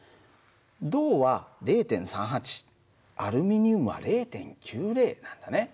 銅は０．３８アルミニウムは０．９０なんだね。